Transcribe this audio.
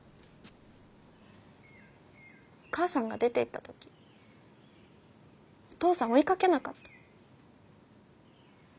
お母さんが出ていった時お父さん追いかけなかった。